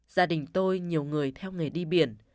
gia đình tôi nhiều người theo nghề đi biển